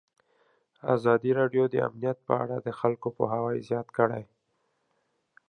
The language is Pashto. ازادي راډیو د امنیت په اړه د خلکو پوهاوی زیات کړی.